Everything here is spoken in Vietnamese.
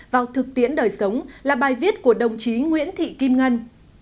đây là bài viết của đồng chí nguyễn thị kim ngân